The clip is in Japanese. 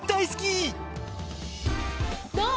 どう？